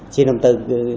chiên đồng tư